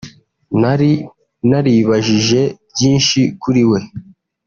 nari naribajije byinshi kuri we